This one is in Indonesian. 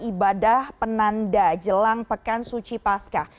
ibadah penanda jelang pekan suci pasca